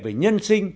về nhân sinh